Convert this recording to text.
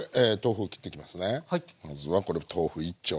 まずはこれ豆腐１丁。